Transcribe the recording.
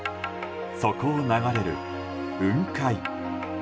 そこを流れる、雲海。